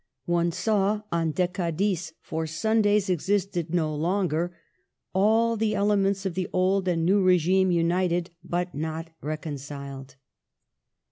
One saw on decadis, for Sundays existed no longer, all the elements of the old and new regime united, but not reconciled."